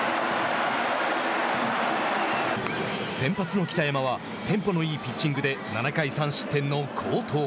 先発の北山はテンポのいいピッチングで７回３失点の好投。